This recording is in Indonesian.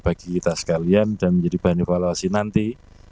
bagi kita sekalian dan menjadi bahan evaluasi nanti